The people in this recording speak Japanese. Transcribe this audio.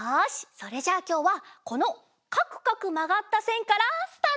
それじゃあきょうはこのかくかくまがったせんからスタート！